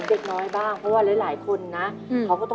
เออเอาแล้วปุ๊ปปุ๊บ